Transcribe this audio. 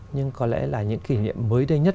nhưng có lẽ là những kỷ niệm mới đây nhất